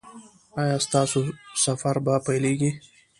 ایا ستاسو سفر به پیلیږي؟